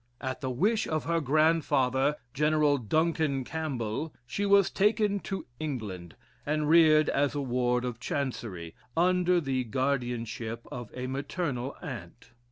At the wish of her grandfather, General Duncan Campbell, she was taken to England, and reared as a ward of Chancery, under the guardianship of a maternal aunt.